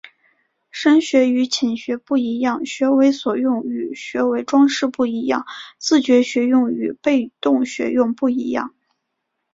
深学与浅学不一样、学为所用与学为‘装饰’不一样、自觉学用与被动学用不一样